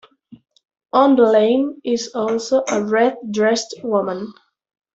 On the lane is also a red-dressed woman.